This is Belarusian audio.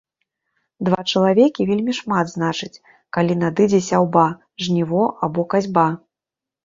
Два чалавекі вельмі шмат значыць, калі надыдзе сяўба, жніво або касьба.